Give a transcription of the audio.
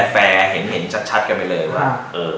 แฟร์เห็นชัดกันไปเลยว่า